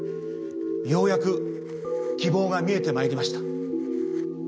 ようやく希望が見えてまいりました。